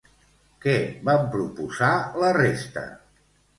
Què van proposar la resta?